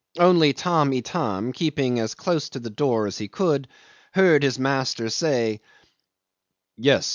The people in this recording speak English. Only Tamb' Itam, keeping as close to the door as he could, heard his master say, "Yes.